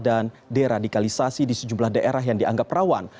dan deradikalisasi di sejumlah daerah yang dianggap rawan